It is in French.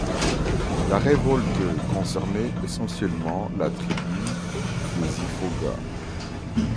La révolte concernait essentiellement la tribu des Ifoghas.